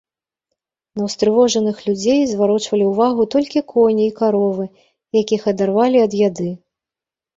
На ўстрывожаных людзей зварочвалі ўвагу толькі коні і каровы, якіх адарвалі ад яды.